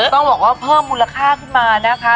ต้องบอกว่าเพิ่มมูลค่าขึ้นมานะคะ